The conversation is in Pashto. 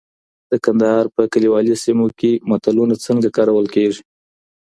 د کندهار په کلیوالي سیمو کي متلونه څنګه کارول کېږي؟